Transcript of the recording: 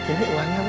ini uangnya bu